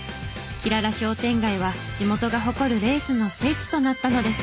キララ商店街は地元が誇るレースの聖地となったのです。